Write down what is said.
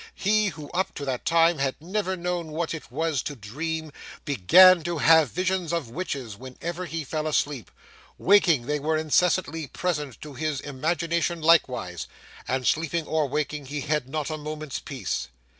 He, who up to that time had never known what it was to dream, began to have visions of witches whenever he fell asleep; waking, they were incessantly present to his imagination likewise; and, sleeping or waking, he had not a moment's peace.